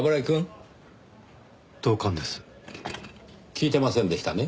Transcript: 聞いてませんでしたね？